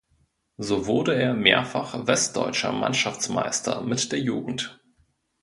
So wurde er mehrfach westdeutscher Mannschaftsmeister mit der Jugend.